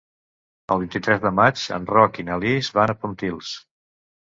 El vint-i-tres de maig en Roc i na Lis van a Pontils.